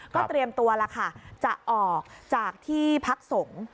ก็เตรียมตัวแล้วค่ะจะออกจากที่พักสงฆ์